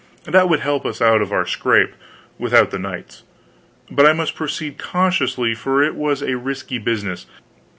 That would help us out of our scrape, without the knights. But I must proceed cautiously, for it was a risky business.